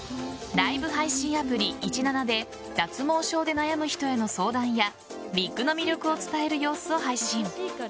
ＬＩＶＥで脱毛症で悩む人への相談やウィッグの魅力を伝える様子を配信。